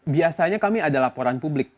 biasanya kami ada laporan publik